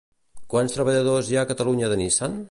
Quants treballadors hi ha a Catalunya de Nissan?